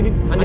masa apa sih